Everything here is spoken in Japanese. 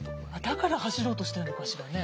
だから走ろうとしてるのかしらね？